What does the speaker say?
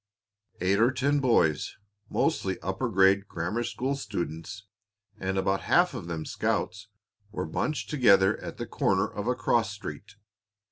Eight or ten boys, mostly upper grade grammar school students and about half of them scouts, were bunched together at the corner of a cross street.